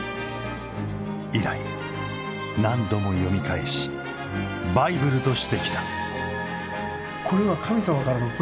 以来何度も読み返しバイブルとしてきた。